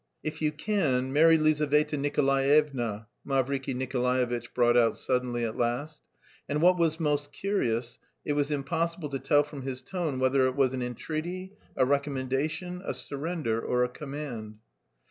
"If you can, marry Lizaveta Nikolaevna," Mavriky Nikolaevitch brought out suddenly at last, and what was most curious, it was impossible to tell from his tone whether it was an entreaty, a recommendation, a surrender, or a command.